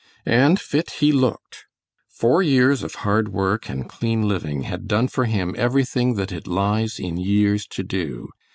And fit he looked. Four years of hard work and clean living had done for him everything that it lies in years to do.